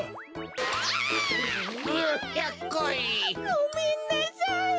ごめんなさい！